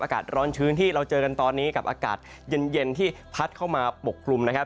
อากาศร้อนชื้นที่เราเจอกันตอนนี้กับอากาศเย็นที่พัดเข้ามาปกคลุมนะครับ